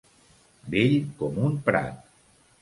Vell com un prat.